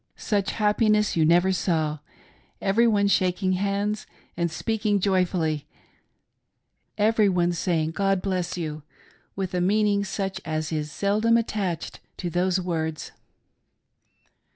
Such happiness you never saw— everyone shaking hands and speaking joyfully — everyone saying ' God bless you ' with a meaning such as is sddom attached to those words.